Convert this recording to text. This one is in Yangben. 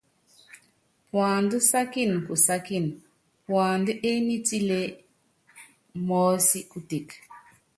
Puandá sákíni kusákíni, puandá ényítilé mɔɔ́sí kuteke.